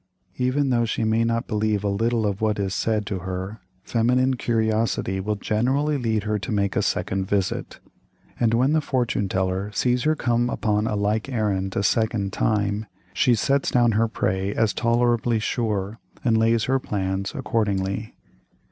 Even though she may not believe a tittle of what is said to her, feminine curiosity will generally lead her to make a second visit; and when the fortune teller sees her come upon a like errand a second time, she sets down her prey as tolerably sure and lays her plans accordingly.